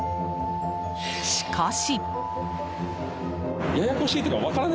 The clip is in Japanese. しかし。